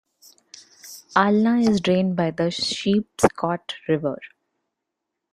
Alna is drained by the Sheepscot River.